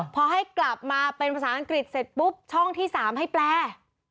พอให้กลับมาเป็นภาษาอังกฤษเสร็จปุ๊บช่องที่๓ให้แปล